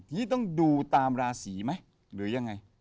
พี่ต้องดูตามราศีไหมหรือยังไง